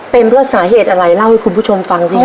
เป็นเพราะสาเหตุอะไรเล่าให้คุณผู้ชมฟังสิครับ